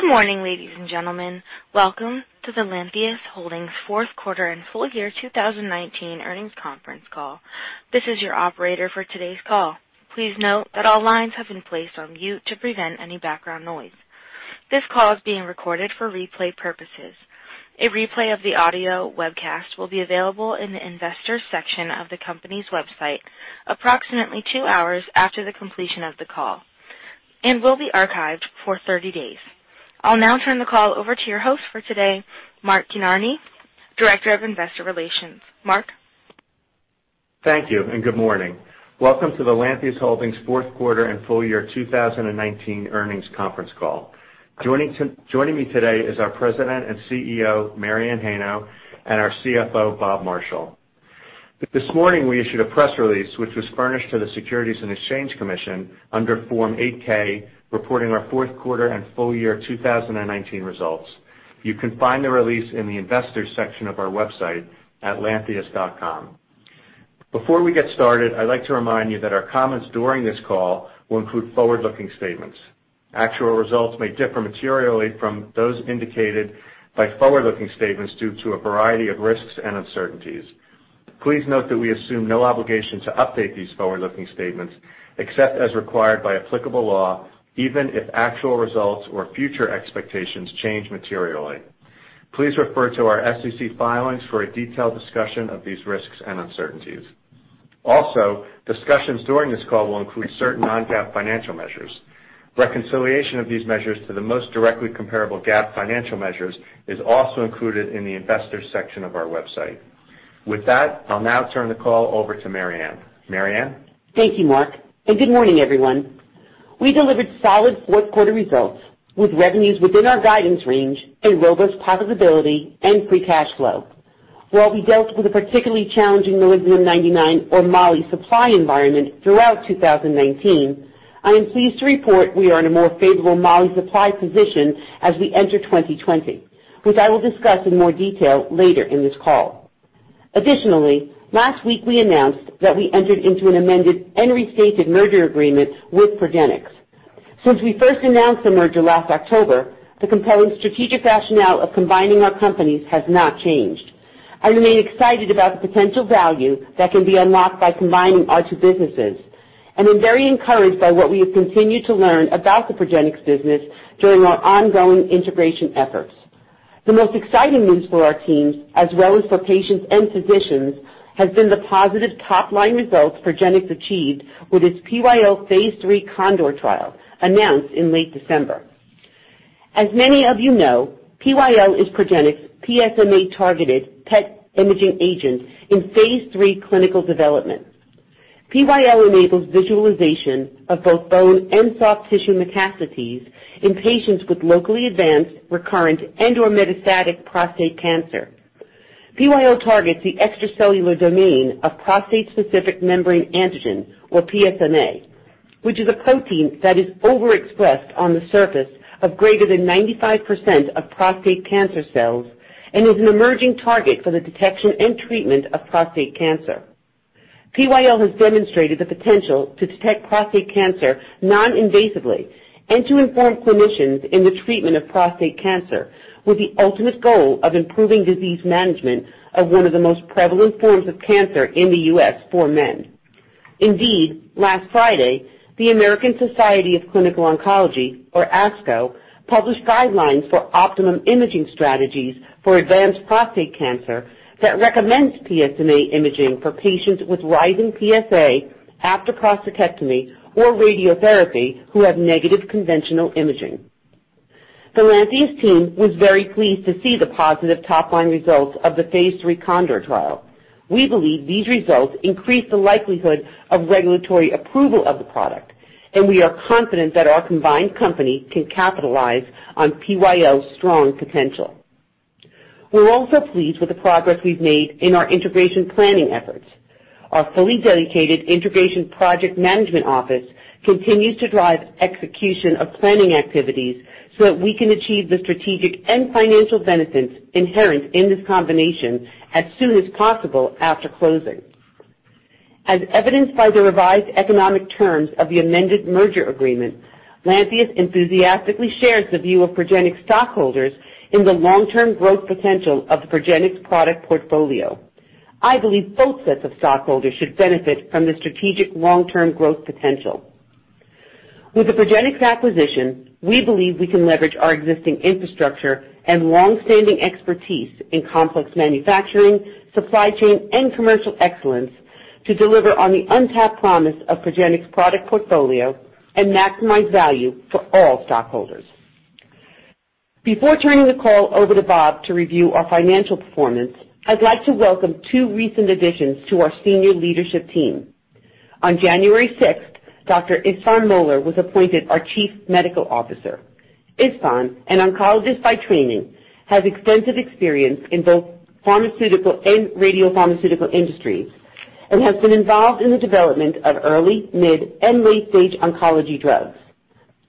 Good morning, ladies and gentlemen. Welcome to the Lantheus Holdings fourth quarter and full year 2019 earnings conference call. This is your operator for today's call. Please note that all lines have been placed on mute to prevent any background noise. This call is being recorded for replay purposes. A replay of the audio webcast will be available in the Investors section of the company's website approximately two hours after the completion of the call and will be archived for 30 days. I'll now turn the call over to your host for today, Mark Kinarney, Director of Investor Relations. Mark? Thank you and good morning. Welcome to the Lantheus Holdings fourth quarter and full year 2019 earnings conference call. Joining me today is our President and CEO, Mary Anne Heino, and our CFO, Bob Marshall. This morning, we issued a press release, which was furnished to the Securities and Exchange Commission under Form 8-K, reporting our fourth quarter and full year 2019 results. You can find the release in the Investors section of our website at lantheus.com. Before we get started, I'd like to remind you that our comments during this call will include forward-looking statements. Actual results may differ materially from those indicated by forward-looking statements due to a variety of risks and uncertainties. Please note that we assume no obligation to update these forward-looking statements except as required by applicable law, even if actual results or future expectations change materially. Please refer to our SEC filings for a detailed discussion of these risks and uncertainties. Also, discussions during this call will include certain non-GAAP financial measures. Reconciliation of these measures to the most directly comparable GAAP financial measures is also included in the Investors section of our website. With that, I'll now turn the call over to Mary Anne. Mary Anne? Thank you, Mark, and good morning, everyone. We delivered solid fourth quarter results with revenues within our guidance range and robust profitability and free cash flow. While we dealt with a particularly challenging molybdenum-99, or moly, supply environment throughout 2019, I am pleased to report we are in a more favorable moly supply position as we enter 2020, which I will discuss in more detail later in this call. Last week we announced that we entered into an amended and restated merger agreement with Progenics. Since we first announced the merger last October, the compelling strategic rationale of combining our companies has not changed. I remain excited about the potential value that can be unlocked by combining our two businesses, and am very encouraged by what we have continued to learn about the Progenics business during our ongoing integration efforts. The most exciting news for our teams, as well as for patients and physicians, has been the positive top-line results Progenics achieved with its PyL phase III CONDOR trial announced in late December. As many of you know, PyL is Progenics' PSMA-targeted PET imaging agent in phase III clinical development. PyL enables visualization of both bone and soft tissue metastases in patients with locally advanced, recurrent, and/or metastatic prostate cancer. PyL targets the extracellular domain of prostate-specific membrane antigen, or PSMA, which is a protein that is overexpressed on the surface of greater than 95% of prostate cancer cells and is an emerging target for the detection and treatment of prostate cancer. PyL has demonstrated the potential to detect prostate cancer non-invasively and to inform clinicians in the treatment of prostate cancer, with the ultimate goal of improving disease management of one of the most prevalent forms of cancer in the U.S. for men. Indeed, last Friday, the American Society of Clinical Oncology, or ASCO, published guidelines for optimum imaging strategies for advanced prostate cancer that recommends PSMA imaging for patients with rising PSA after prostatectomy or radiotherapy who have negative conventional imaging. The Lantheus team was very pleased to see the positive top-line results of the phase III CONDOR trial. We believe these results increase the likelihood of regulatory approval of the product, and we are confident that our combined company can capitalize on PyL's strong potential. We're also pleased with the progress we've made in our integration planning efforts. Our fully dedicated integration project management office continues to drive execution of planning activities so that we can achieve the strategic and financial benefits inherent in this combination as soon as possible after closing. As evidenced by the revised economic terms of the amended merger agreement, Lantheus enthusiastically shares the view of Progenics stockholders in the long-term growth potential of the Progenics product portfolio. I believe both sets of stockholders should benefit from the strategic long-term growth potential. With the Progenics acquisition, we believe we can leverage our existing infrastructure and long-standing expertise in complex manufacturing, supply chain, and commercial excellence to deliver on the untapped promise of Progenics' product portfolio and maximize value for all stockholders. Before turning the call over to Bob to review our financial performance, I'd like to welcome two recent additions to our senior leadership team. On January 6th, Dr. Istvan Molnar was appointed our Chief Medical Officer. Istvan, an oncologist by training, has extensive experience in both pharmaceutical and radiopharmaceutical industries and has been involved in the development of early, mid, and late-stage oncology drugs.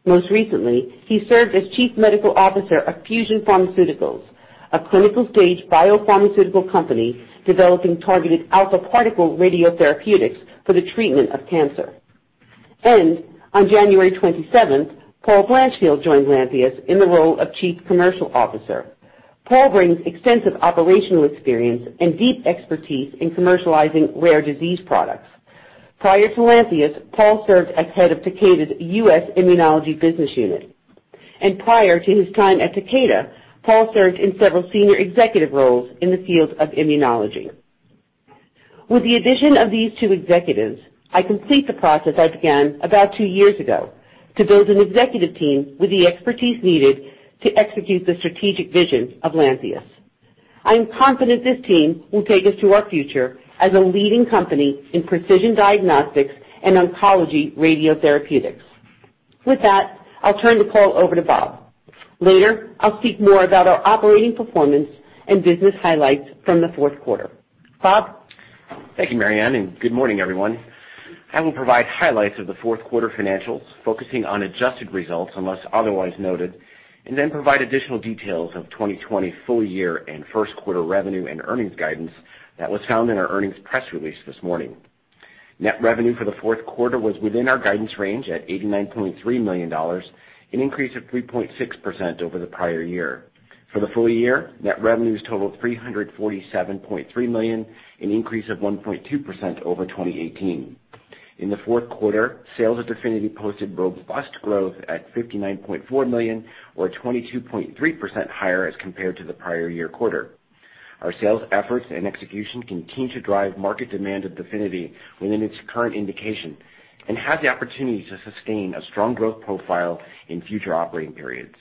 Most recently, he served as Chief Medical Officer of Fusion Pharmaceuticals, a clinical-stage biopharmaceutical company developing targeted alpha particle radiotherapeutics for the treatment of cancer. On January 27th, Paul Blanchfield joined Lantheus in the role of Chief Commercial Officer. Paul brings extensive operational experience and deep expertise in commercializing rare disease products. Prior to Lantheus, Paul served as Head of Takeda's U.S. Immunology Business Unit. Prior to his time at Takeda, Paul served in several senior executive roles in the field of immunology. With the addition of these two executives, I complete the process I began about two years ago to build an executive team with the expertise needed to execute the strategic vision of Lantheus. I am confident this team will take us to our future as a leading company in precision diagnostics and oncology radiotherapeutics. With that, I'll turn the call over to Bob. Later, I'll speak more about our operating performance and business highlights from the fourth quarter. Bob? Thank you, Mary Anne. Good morning, everyone. I will provide highlights of the fourth quarter financials, focusing on adjusted results unless otherwise noted, and then provide additional details of 2020 full-year and first quarter revenue and earnings guidance that was found in our earnings press release this morning. Net revenue for the fourth quarter was within our guidance range at $89.3 million, an increase of 3.6% over the prior year. For the full year, net revenues totaled $347.3 million, an increase of 1.2% over 2018. In the fourth quarter, sales at DEFINITY posted robust growth at $59.4 million or 22.3% higher as compared to the prior year quarter. Our sales efforts and execution continue to drive market demand at DEFINITY within its current indication and have the opportunity to sustain a strong growth profile in future operating periods.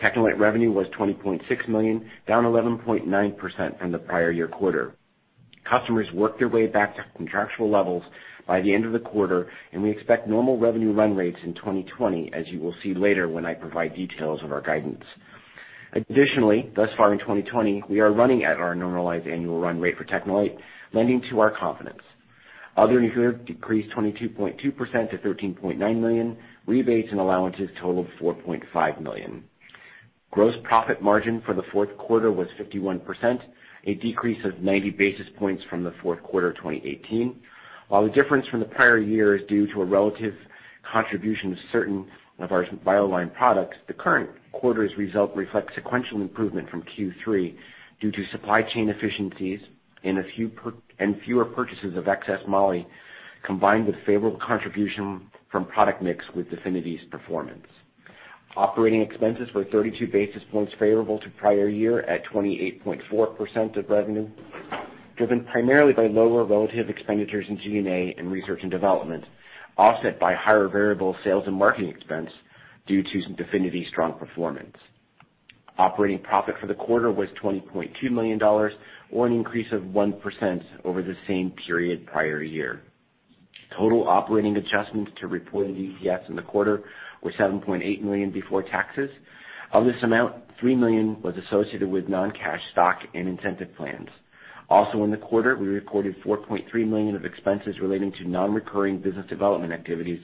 TECHNELITE revenue was $20.6 million, down 11.9% from the prior year quarter. Customers worked their way back to contractual levels by the end of the quarter. We expect normal revenue run rates in 2020, as you will see later when I provide details of our guidance. Thus far in 2020, we are running at our normalized annual run rate for TECHNELITE, lending to our confidence. Other decreased 22.2% to $13.9 million. Rebates and allowances totaled $4.5 million. Gross profit margin for the fourth quarter was 51%, a decrease of 90 basis points from the fourth quarter 2018. While the difference from the prior year is due to a relative contribution of certain of our BioLine products, the current quarter's result reflects sequential improvement from Q3 due to supply chain efficiencies and fewer purchases of excess moly, combined with favorable contribution from product mix with DEFINITY's performance. Operating expenses were 32 basis points favorable to prior year at 28.4% of revenue, driven primarily by lower relative expenditures in G&A and research and development, offset by higher variable sales and marketing expense due to DEFINITY's strong performance. Operating profit for the quarter was $20.2 million, or an increase of 1% over the same period prior year. Total operating adjustments to reported EPS in the quarter were $7.8 million before taxes. Of this amount, $3 million was associated with non-cash stock and incentive plans. Also in the quarter, we recorded $4.3 million of expenses relating to non-recurring business development activities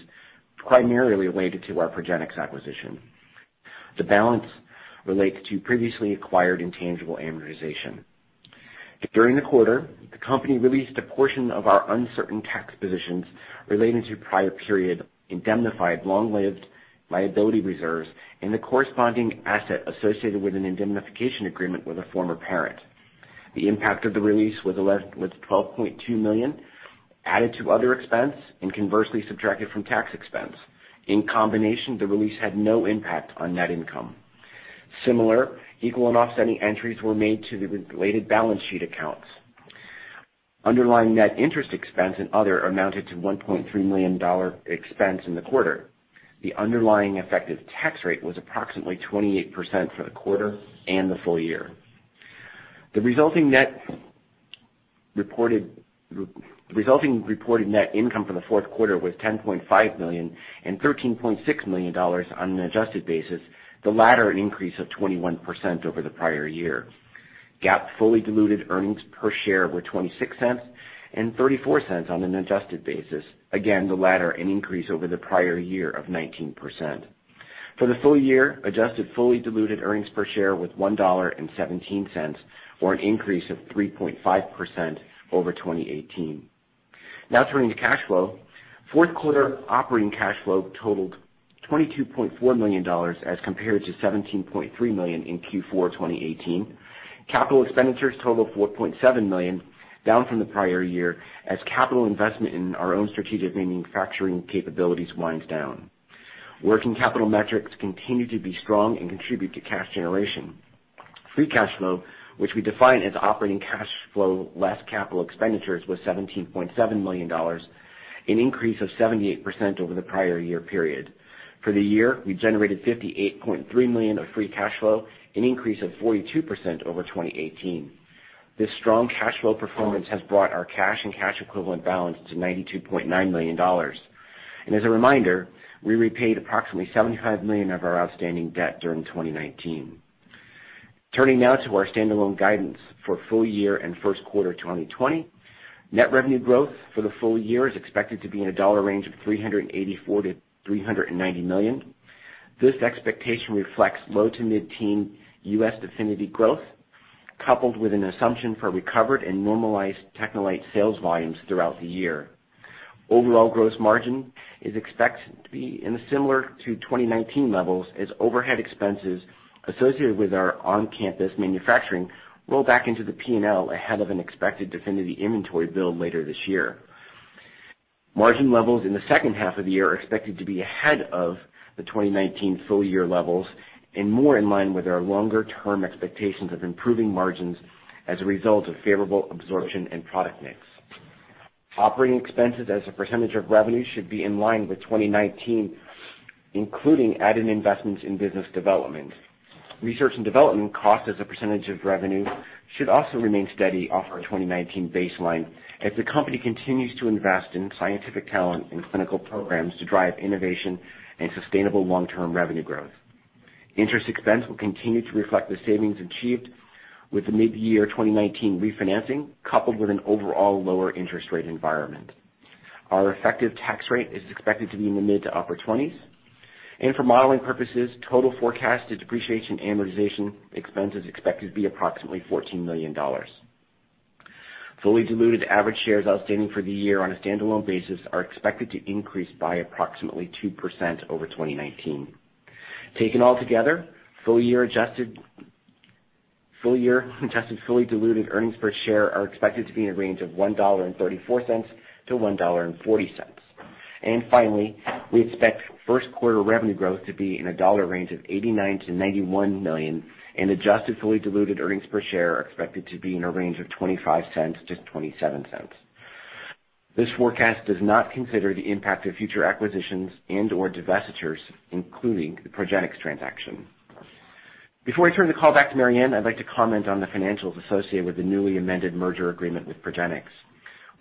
primarily related to our Progenics acquisition. The balance relates to previously acquired intangible amortization. During the quarter, the company released a portion of our uncertain tax positions relating to prior period indemnified long-lived liability reserves and the corresponding asset associated with an indemnification agreement with a former parent. The impact of the release was $12.2 million added to other expense and conversely subtracted from tax expense. In combination, the release had no impact on net income. Similar, equal, and offsetting entries were made to the related balance sheet accounts. Underlying net interest expense and other amounted to $1.3 million expense in the quarter. The underlying effective tax rate was approximately 28% for the quarter and the full year. The resulting reported net income for the fourth quarter was $10.5 million and $13.6 million on an adjusted basis, the latter an increase of 21% over the prior year. GAAP fully diluted earnings per share were $0.26 and $0.34 on an adjusted basis. Again, the latter an increase over the prior year of 19%. For the full year, adjusted fully diluted earnings per share was $1.17, or an increase of 3.5% over 2018. Turning to cash flow. Fourth quarter operating cash flow totaled $22.4 million as compared to $17.3 million in Q4 2018. Capital expenditures totaled $4.7 million, down from the prior year as capital investment in our own strategic manufacturing capabilities winds down. Working capital metrics continue to be strong and contribute to cash generation. Free cash flow, which we define as operating cash flow less capital expenditures, was $17.7 million, an increase of 78% over the prior year period. For the year, we generated $58.3 million of free cash flow, an increase of 42% over 2018. This strong cash flow performance has brought our cash and cash equivalent balance to $92.9 million. As a reminder, we repaid approximately $75 million of our outstanding debt during 2019. Turning now to our standalone guidance for full year and first quarter 2020. Net revenue growth for the full year is expected to be in a range of $384 million-$390 million. This expectation reflects low to mid-teen U.S. DEFINITY growth coupled with an assumption for recovered and normalized TECHNELITE sales volumes throughout the year. Overall gross margin is expected to be in similar to 2019 levels, as overhead expenses associated with our on-campus manufacturing roll back into the P&L ahead of an expected DEFINITY inventory build later this year. Margin levels in the second half of the year are expected to be ahead of the 2019 full-year levels and more in line with our longer-term expectations of improving margins as a result of favorable absorption and product mix. Operating expenses as a percentage of revenue should be in line with 2019, including added investments in business development. Research and development costs as a percentage of revenue should also remain steady off our 2019 baseline as the company continues to invest in scientific talent and clinical programs to drive innovation and sustainable long-term revenue growth. Interest expense will continue to reflect the savings achieved with the mid-year 2019 refinancing, coupled with an overall lower interest rate environment. Our effective tax rate is expected to be in the mid to upper 20s. For modeling purposes, total forecast to depreciation amortization expense is expected to be approximately $14 million. Fully diluted average shares outstanding for the year on a standalone basis are expected to increase by approximately 2% over 2019. Taken all together, full year adjusted fully diluted earnings per share are expected to be in a range of $1.34-$1.40. Finally, we expect first quarter revenue growth to be in a range of $89 million-$91 million, and adjusted fully diluted earnings per share are expected to be in a range of $0.25-$0.27. This forecast does not consider the impact of future acquisitions and/or divestitures, including the Progenics transaction. Before I turn the call back to Mary Anne, I'd like to comment on the financials associated with the newly amended merger agreement with Progenics.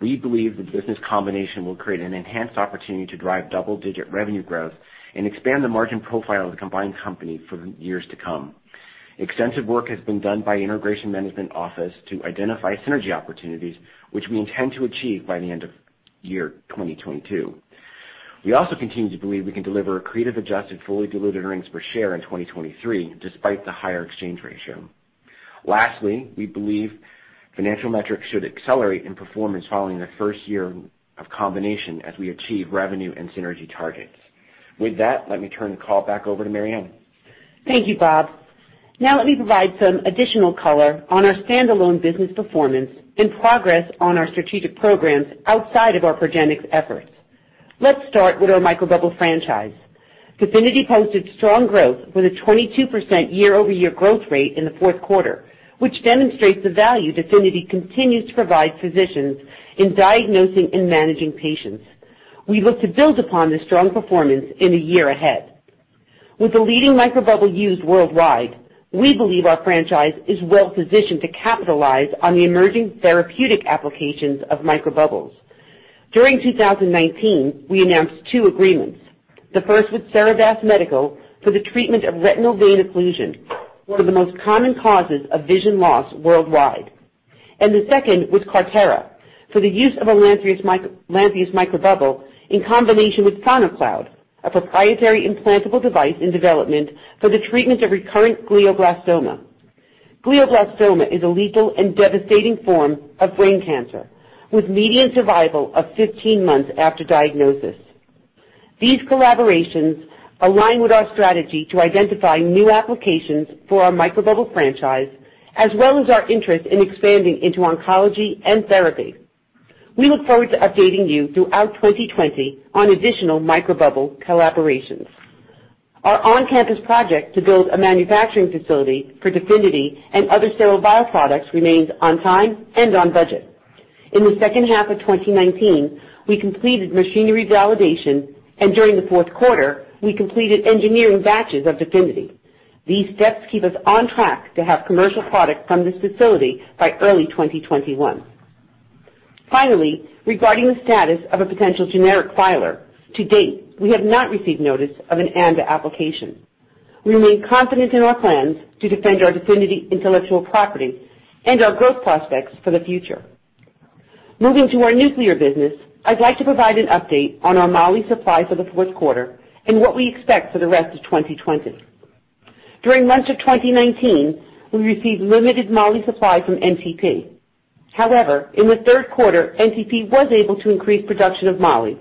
We believe the business combination will create an enhanced opportunity to drive double-digit revenue growth and expand the margin profile of the combined company for years to come. Extensive work has been done by integration management office to identify synergy opportunities, which we intend to achieve by the end of 2022. We also continue to believe we can deliver accretive adjusted fully diluted earnings per share in 2023, despite the higher exchange ratio. Lastly, we believe financial metrics should accelerate in performance following the first year of combination as we achieve revenue and synergy targets. With that, let me turn the call back over to Mary Anne. Thank you, Bob. Now let me provide some additional color on our standalone business performance and progress on our strategic programs outside of our Progenics efforts. Let's start with our microbubble franchise. DEFINITY posted strong growth with a 22% year-over-year growth rate in the fourth quarter, which demonstrates the value DEFINITY continues to provide physicians in diagnosing and managing patients. We look to build upon this strong performance in the year ahead. With the leading microbubble used worldwide, we believe our franchise is well-positioned to capitalize on the emerging therapeutic applications of microbubbles. During 2019, we announced two agreements. The first with Cerevast Medical for the treatment of retinal vein occlusion, one of the most common causes of vision loss worldwide. The second with CarThera for the use of a Lantheus microbubble in combination with SonoCloud, a proprietary implantable device in development for the treatment of recurrent glioblastoma. Glioblastoma is a lethal and devastating form of brain cancer, with median survival of 15 months after diagnosis. These collaborations align with our strategy to identify new applications for our microbubble franchise, as well as our interest in expanding into oncology and therapy. We look forward to updating you throughout 2020 on additional microbubble collaborations. Our on-campus project to build a manufacturing facility for DEFINITY and other sterile vial products remains on time and on budget. In the second half of 2019, we completed machinery validation, and during the fourth quarter, we completed engineering batches of DEFINITY. These steps keep us on track to have commercial product from this facility by early 2021. Finally, regarding the status of a potential generic filer, to date, we have not received notice of an ANDA application. We remain confident in our plans to defend our DEFINITY intellectual property and our growth prospects for the future. Moving to our nuclear business, I'd like to provide an update on our moly supplies for the fourth quarter and what we expect for the rest of 2020. During much of 2019, we received limited moly supply from NTP. In the third quarter, NTP was able to increase production of moly,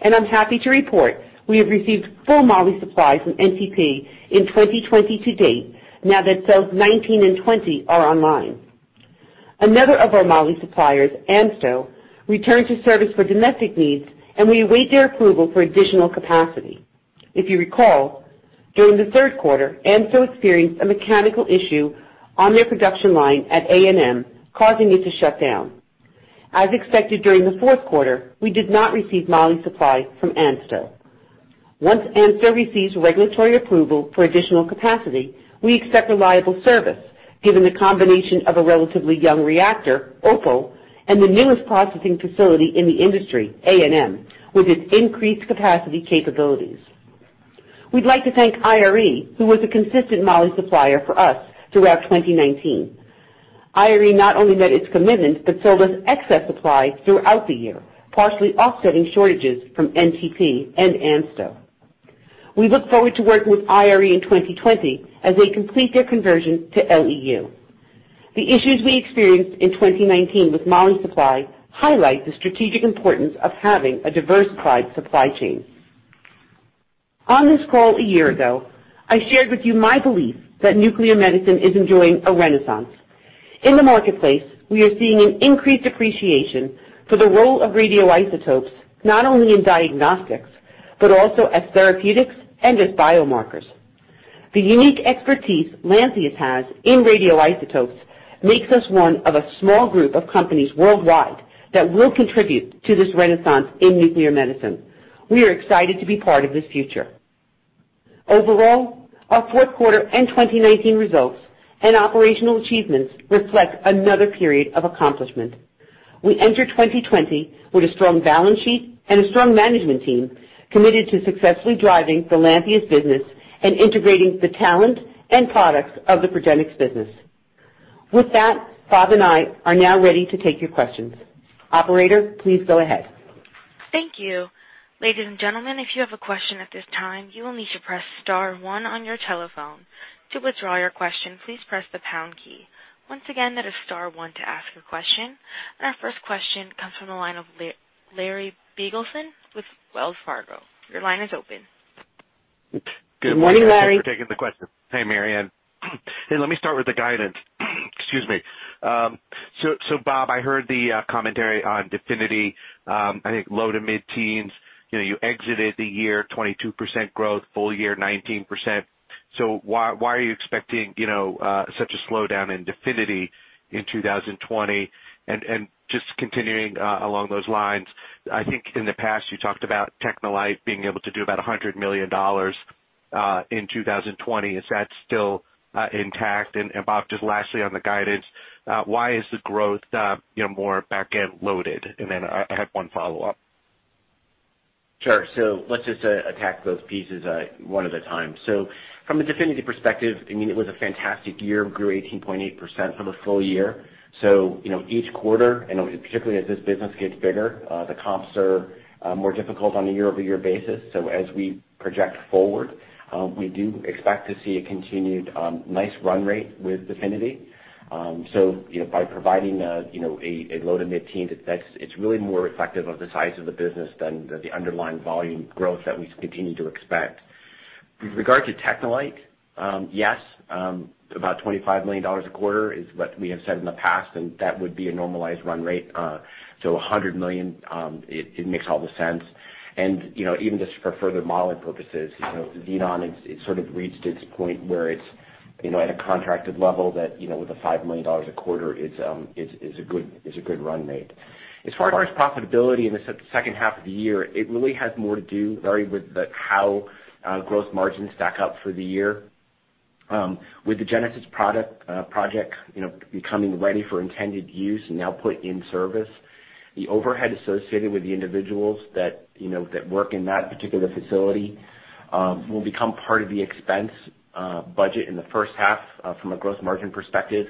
and I'm happy to report we have received full moly supplies from NTP in 2020 to date now that cells 19 and 20 are online. Another of our moly suppliers, ANSTO, returned to service for domestic needs, and we await their approval for additional capacity. If you recall, during the third quarter, ANSTO experienced a mechanical issue on their production line at ANM, causing it to shut down. As expected during the fourth quarter, we did not receive moly supply from ANSTO. Once ANSTO receives regulatory approval for additional capacity, we expect reliable service given the combination of a relatively young reactor, OPAL, and the newest processing facility in the industry, ANM, with its increased capacity capabilities. We'd like to thank IRE, who was a consistent moly supplier for us throughout 2019. IRE not only met its commitments, but sold us excess supply throughout the year, partially offsetting shortages from NTP and ANSTO. We look forward to working with IRE in 2020 as they complete their conversion to LEU. The issues we experienced in 2019 with moly supply highlight the strategic importance of having a diversified supply chain. On this call a year ago, I shared with you my belief that nuclear medicine is enjoying a renaissance. In the marketplace, we are seeing an increased appreciation for the role of radioisotopes, not only in diagnostics, but also as therapeutics and as biomarkers. The unique expertise Lantheus has in radioisotopes makes us one of a small group of companies worldwide that will contribute to this renaissance in nuclear medicine. We are excited to be part of this future. Overall, our fourth quarter and 2019 results and operational achievements reflect another period of accomplishment. We enter 2020 with a strong balance sheet and a strong management team committed to successfully driving the Lantheus business and integrating the talent and products of the Progenics business. With that, Bob and I are now ready to take your questions. Operator, please go ahead. Thank you. Ladies and gentlemen, if you have a question at this time, you will need to press star one on your telephone. To withdraw your question, please press the pound key. Once again, that is star one to ask a question. Our first question comes from the line of Larry Biegelsen with Wells Fargo. Your line is open. Good morning, Larry. Good morning. Thanks for taking the question. Hey, Mary Anne. Hey, let me start with the guidance. Excuse me. Bob, I heard the commentary on DEFINITY, I think low to mid-teens. You exited the year 22% growth, full year 19%. Why are you expecting such a slowdown in DEFINITY in 2020? Just continuing along those lines, I think in the past, you talked about TECHNELITE being able to do about $100 million in 2020. Is that still intact? Bob, just lastly on the guidance, why is the growth more back-end loaded? Then I have one follow-up. Sure. Let's just attack those pieces one at a time. From a DEFINITY perspective, it was a fantastic year. We grew 18.8% on the full year. Each quarter, and particularly as this business gets bigger, the comps are more difficult on a year-over-year basis. As we project forward, we do expect to see a continued nice run rate with DEFINITY. By providing a low to mid-teens, it's really more reflective of the size of the business than the underlying volume growth that we continue to expect. With regard to TECHNELITE, yes, about $25 million a quarter is what we have said in the past, and that would be a normalized run rate. $100 million, it makes all the sense. Even just for further modeling purposes, Xenon, it sort of reached its point where it's at a contracted level that with the $5 million a quarter is a good run rate. As far as profitability in the second half of the year, it really has more to do, Larry, with how gross margins stack up for the year. With the Genesis project becoming ready for intended use and now put in service, the overhead associated with the individuals that work in that particular facility will become part of the expense budget in the first half from a gross margin perspective.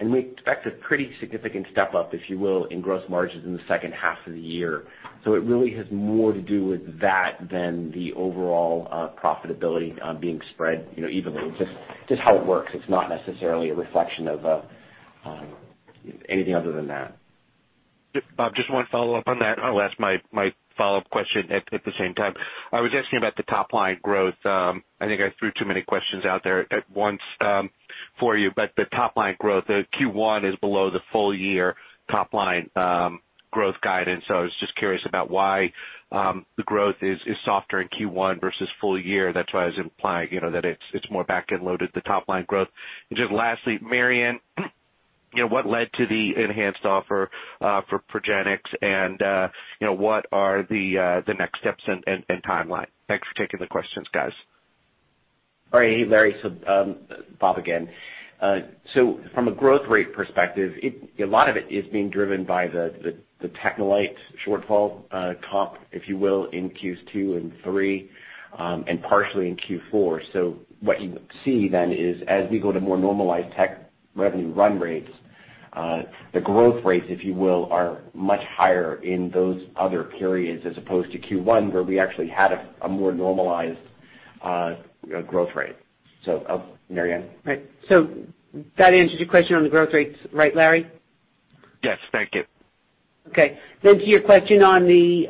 We expect a pretty significant step-up, if you will, in gross margins in the second half of the year. It really has more to do with that than the overall profitability being spread evenly. It's just how it works. It's not necessarily a reflection of anything other than that. Bob, just one follow-up on that. I'll ask my follow-up question at the same time. I was asking about the top-line growth. I think I threw too many questions out there at once for you. The top-line growth, Q1 is below the full-year top-line growth guidance. I was just curious about why the growth is softer in Q1 versus full year. That's why I was implying, that it's more back-end loaded, the top-line growth. Just lastly, Mary Anne, what led to the enhanced offer for Progenics? What are the next steps and timeline? Thanks for taking the questions, guys. All right. Hey, Larry. Bob again. From a growth rate perspective, a lot of it is being driven by the TECHNELITE shortfall comp, if you will, in Q2 and Q3, and partially in Q4. What you see then is as we go to more normalized tech revenue run rates, the growth rates, if you will, are much higher in those other periods as opposed to Q1, where we actually had a more normalized growth rate. Mary Anne? Right. That answers your question on the growth rates, right, Larry? Yes. Thank you. Okay. To your question on the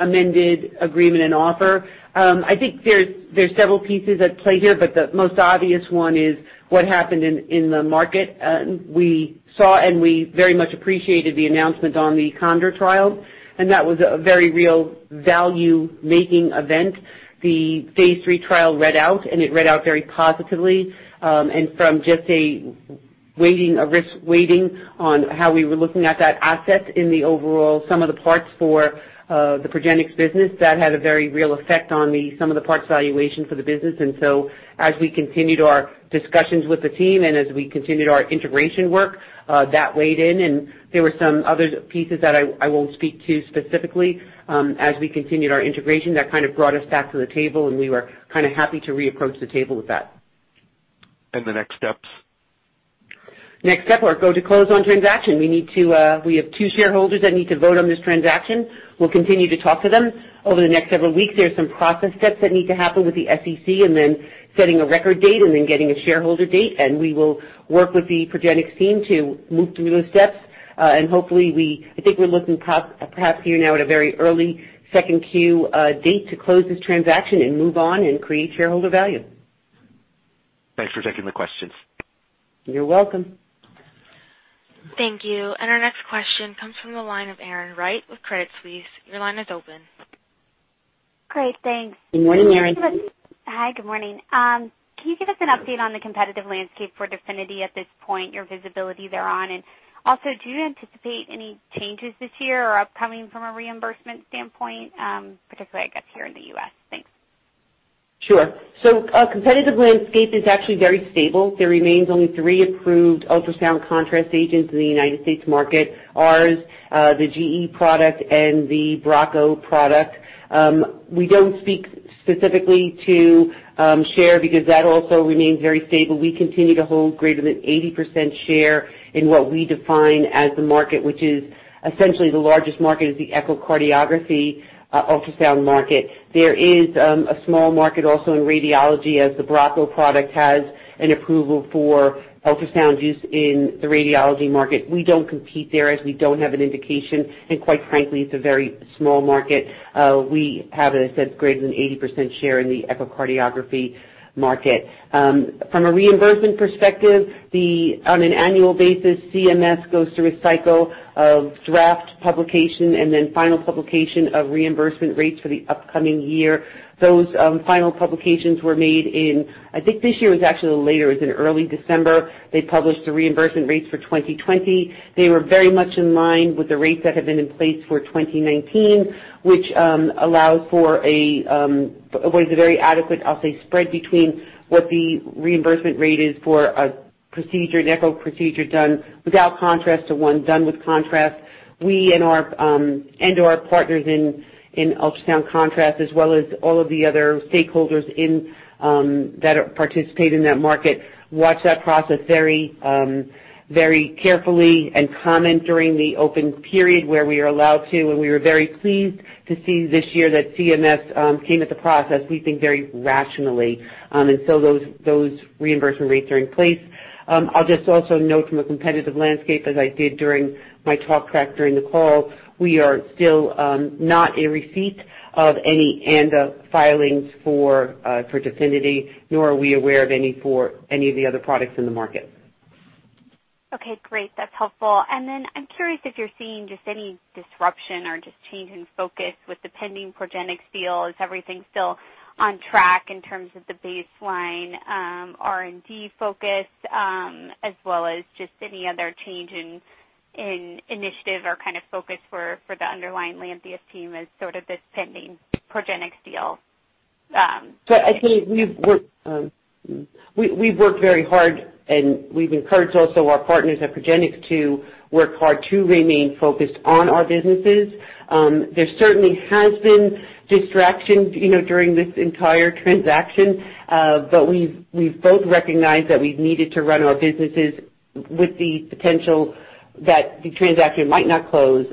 amended agreement and offer. I think there's several pieces at play here, but the most obvious one is what happened in the market. We saw and we very much appreciated the announcement on the CONDOR trial, and that was a very real value-making event. The phase III trial read out, and it read out very positively. From just a risk weighting on how we were looking at that asset in the overall sum of the parts for the Progenics business, that had a very real effect on the sum of the parts valuation for the business. As we continued our discussions with the team and as we continued our integration work, that weighed in, and there were some other pieces that I won't speak to specifically. As we continued our integration, that kind of brought us back to the table, and we were kind of happy to reapproach the table with that. The next steps? Next step or go to close on transaction. We have two shareholders that need to vote on this transaction. We'll continue to talk to them over the next several weeks. There are some process steps that need to happen with the SEC, and then setting a record date, and then getting a shareholder date. We will work with the Progenics team to move through those steps. I think we're looking perhaps here now at a very early second Q date to close this transaction and move on and create shareholder value. Thanks for taking the questions. You're welcome. Thank you. Our next question comes from the line of Erin Wright with Credit Suisse. Your line is open. Great. Thanks. Good morning, Erin. Hi, good morning. Can you give us an update on the competitive landscape for DEFINITY at this point, your visibility thereon, and also do you anticipate any changes this year or upcoming from a reimbursement standpoint, particularly, I guess, here in the U.S.? Thanks. Sure. Our competitive landscape is actually very stable. There remains only three approved ultrasound contrast agents in the U.S. market, ours, the GE product, and the Bracco product. We don't speak specifically to share because that also remains very stable. We continue to hold greater than 80% share in what we define as the market, which is essentially the largest market is the echocardiography ultrasound market. There is a small market also in radiology as the Bracco product has an approval for ultrasound use in the radiology market. We don't compete there as we don't have an indication, and quite frankly, it's a very small market. We have, as I said, greater than 80% share in the echocardiography market. From a reimbursement perspective, on an annual basis, CMS goes through a cycle of draft publication and then final publication of reimbursement rates for the upcoming year. I think this year was actually a little later. It was in early December. They published the reimbursement rates for 2020. They were very much in line with the rates that have been in place for 2019, which allows for what is a very adequate, I'll say, spread between what the reimbursement rate is for an echo procedure done without contrast to one done with contrast. We and our partners in ultrasound contrast, as well as all of the other stakeholders that participate in that market, watch that process very carefully and comment during the open period where we are allowed to, and we were very pleased to see this year that CMS came at the process, we think very rationally. Those reimbursement rates are in place. I'll just also note from a competitive landscape, as I did during my talk track during the call, we are still not in receipt of any ANDA filings for DEFINITY, nor are we aware of any of the other products in the market. Okay, great. That's helpful. Then I'm curious if you're seeing just any disruption or just change in focus with the pending Progenics deal. Is everything still on track in terms of the baseline R&D focus, as well as just any other change in initiative or kind of focus for the underlying Lantheus team as sort of this pending Progenics deal? I think we've worked very hard, and we've encouraged also our partners at Progenics to work hard to remain focused on our businesses. There certainly has been distraction during this entire transaction. We've both recognized that we've needed to run our businesses with the potential that the transaction might not close.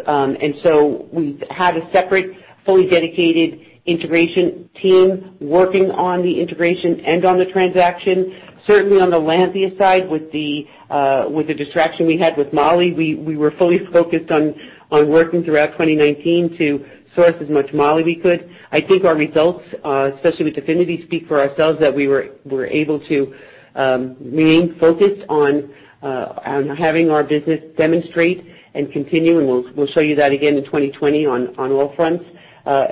We've had a separate, fully dedicated integration team working on the integration and on the transaction. Certainly on the Lantheus side with the distraction we had with moly, we were fully focused on working throughout 2019 to source as much moly we could. I think our results, especially with DEFINITY, speak for ourselves that we were able to remain focused on having our business demonstrate and continue, and we'll show you that again in 2020 on all fronts.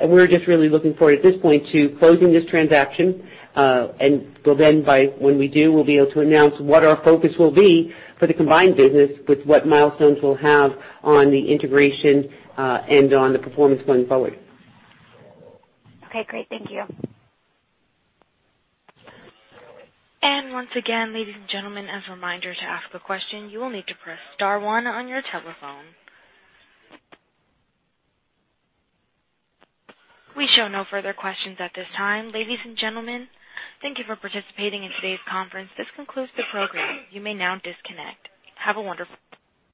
We're just really looking forward at this point to closing this transaction. When we do, we'll be able to announce what our focus will be for the combined business with what milestones we'll have on the integration and on the performance going forward. Okay, great. Thank you. Once again, ladies and gentlemen, as a reminder to ask a question, you will need to press star one on your telephone. We show no further questions at this time. Ladies and gentlemen, thank you for participating in today's conference. This concludes the program. You may now disconnect. Have a wonderful day.